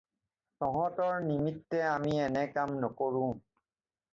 তহঁতৰ নিমিত্তে আমি এনে কাম নকৰোঁ।